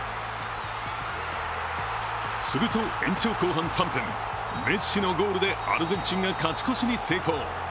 すると延長後半３分メッシのゴールでアルゼンチンが勝ち越しに成功。